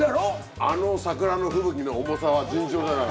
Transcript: あの桜の吹雪の重さは尋常じゃない。